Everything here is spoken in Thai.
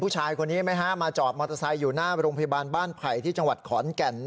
คนนี้ไหมฮะมาจอดมอเตอร์ไซค์อยู่หน้าโรงพยาบาลบ้านไผ่ที่จังหวัดขอนแก่น